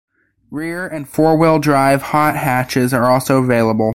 Rear and four-wheel drive hot hatches are also available.